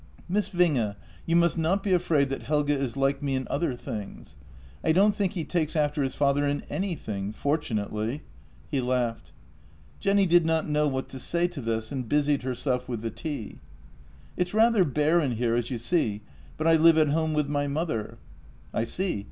" Miss Winge, you must not be afraid that Helge is like me in other things. I don't think he takes after his father in any thing — fortunately." He laughed. Jenny did not know what to say to this, and busied herself with the tea. " It's rather bare in here, as you see, but I live at home with my mother." " I see.